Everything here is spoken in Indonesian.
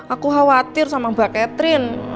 aku khawatir sama mbak catherine